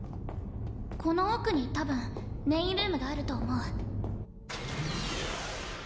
この奥にたぶんメインルームがあると思う。